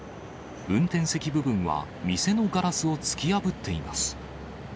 運転席部分は店のガラスを突き破っています。